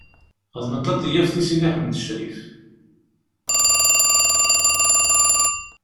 Xedmen taṭeyyaft i Sidi Ḥmed Ccrif.